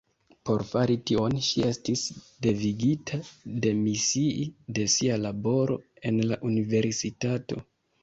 Por fari tion ŝi estis devigita demisii de sia laboro en la universitato.